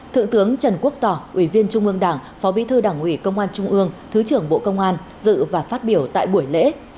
thượng tướng trần quốc tỏ ủy viên trung ương đảng phó bí thư đảng ủy công an trung ương thứ trưởng bộ công an dự và phát biểu tại buổi lễ